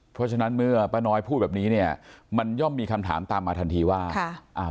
เพราะฉะนั้นเมื่อป้าน้อยพูดแบบนี้เนี่ยมันย่อมมีคำถามตามมาทันทีว่า